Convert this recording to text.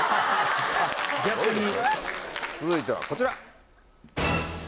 続いてはこちら。